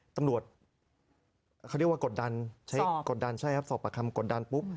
ตำรวจเขาเรียกว่ากดดันใช้กดดันใช่ครับสอบประคำกดดันปุ๊บ